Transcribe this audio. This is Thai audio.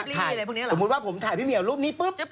ถ้าไม่ใช่ก็คือว่าสมมุติว่าผมถ่ายพี่เหมียวรูปนี้ปุ๊บ